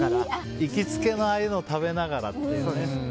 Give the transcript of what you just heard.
行きつけの、ああいうのを食べながらってね。